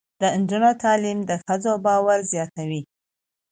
د نجونو تعلیم د ښځو باور زیاتوي.